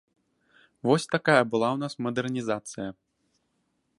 Вось такая была ў нас мадэрнізацыя.